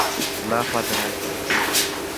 زما خوا ته راشه